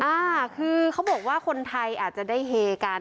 อ่าคือเขาบอกว่าคนไทยอาจจะได้เฮกัน